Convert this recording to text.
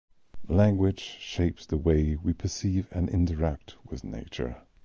Language shapes the way we perceive and interact with nature.